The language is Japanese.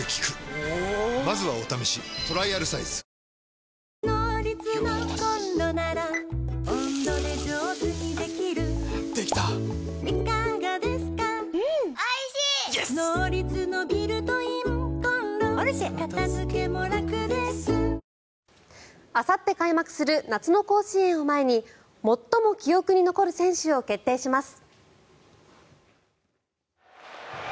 明治おいしい牛乳あさって開幕する夏の甲子園を前に最も記憶に残る選手を決定します。